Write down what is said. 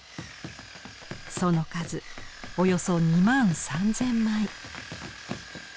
その数およそ２万３，０００枚。